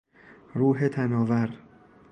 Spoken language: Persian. روح تناور